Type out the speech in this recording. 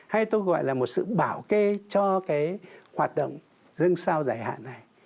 hay tôi gọi là một sự bảo kê cho cái hoạt động dân sao giải hạn này